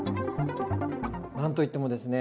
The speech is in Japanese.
何と言ってもですね。